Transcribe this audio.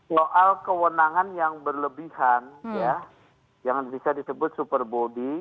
soal kewenangan yang berlebihan ya yang bisa disebut super body